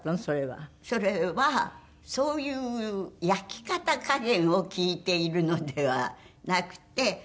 それは。それはそういう焼き方加減を聞いているのではなくて。